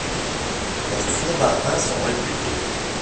Leurs fonds marins sont réputés.